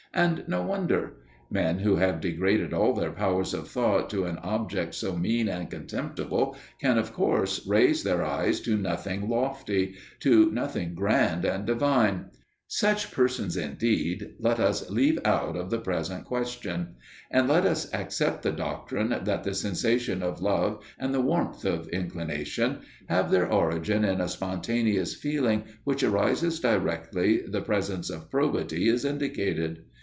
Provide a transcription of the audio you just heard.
And no wonder. Men who have degraded all their powers of thought to an object so mean and contemptible can of course raise their eyes to nothing lofty, to nothing grand and divine. Such persons indeed let us leave out of the present question. And let us accept the doctrine that the sensation of love and the warmth of inclination have their origin in a spontaneous feeling which arises directly the presence of probity is indicated.